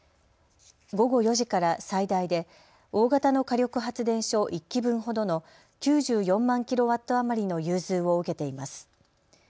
午後４時から最大で大型の火力発電所１基分ほどの９４万ｋＷ余りの融通を受けています。